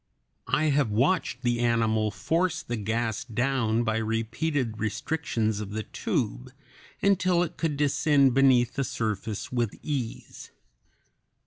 I have watched the animal force the gas down by repeated restrictions of the tube until it could descend beneath the surface with ease.